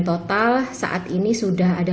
total saat ini sudah ada